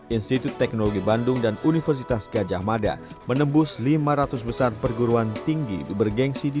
institut teknologi bandung dan universitas gajah mada menembus lima ratus besar perguruan tinggi bergensi di